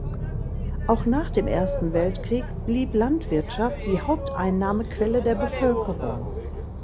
Auch nach dem Ersten Weltkrieg blieb Landwirtschaft die Haupteinnahmequelle der Bevölkerung.